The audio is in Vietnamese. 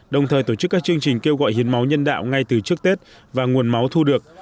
đồng thời tổ chức các chương trình kêu gọi hiến máu nhân đạo ngay từ trước tết và nguồn máu thu được